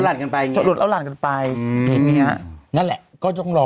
ลดลั่นกันไปอย่างนี้อืมนั่นแหละก็ต้องรอ